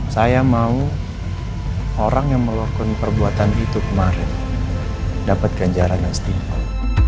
saya mau orang yang melakukan perbuatan itu kemarin dapatkan jalan yang setinggal